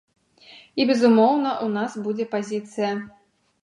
І, безумоўна, у нас будзе пазіцыя.